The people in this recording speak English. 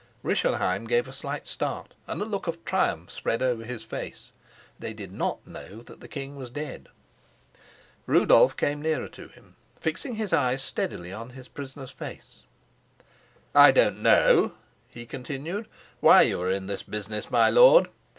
Rischenheim gave a slight start, and a look of triumph spread over his face. They did not know that the king was dead. Rudolf came nearer to him, fixing his eyes steadily on his prisoner's face. "I don't know," he continued, "why you are in this business, my lord.